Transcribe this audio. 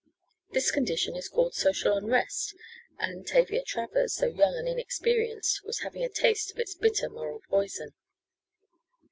This condition is called "Social Unrest," and Tavia Travers, though young and inexperienced, was having a taste of its bitter moral poison.